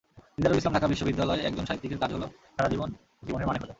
দিদারুল ইসলামঢাকা বিশ্ববিদ্যালয়একজন সাহিত্যিকের কাজ হলো সারা জীবন জীবনের মানে খোঁজা।